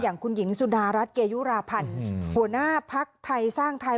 อย่างคุณหญิงสุดารัฐเกยุราพันธ์หัวหน้าภักดิ์ไทยสร้างไทย